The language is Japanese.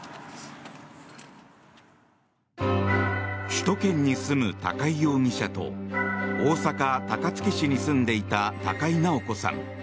首都圏に住む高井容疑者と大阪・高槻市に住んでいた高井直子さん。